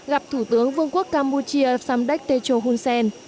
gặp thủ tướng vương quốc campuchia samdek techo hunsen